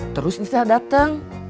terus diza datang